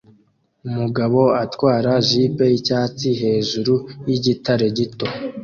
Umugabo atwara jeep yicyatsi hejuru yigitare gito